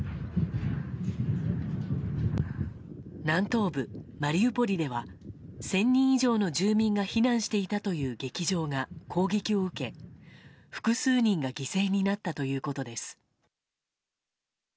南東部マリウポリでは１０００人以上の住民が避難していたという劇場が攻撃を受け複数人が犠牲になったということです。